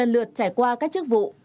lượt trải qua các chức vụ